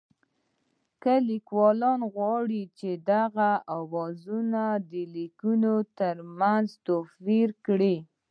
که لیکوال غواړي چې د دغو آوازونو د لیکبڼو ترمنځ توپیر وکړي